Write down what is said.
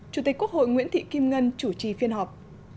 chủ tịch quốc hội nguyễn thị kim ngân chủ trì phiên họp